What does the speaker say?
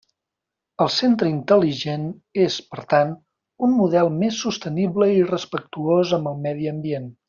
El centre intel·ligent és, per tant, un model més sostenible i respectuós amb el medi ambient.